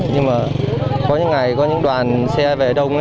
nhưng mà có những ngày có những đoàn xe về đông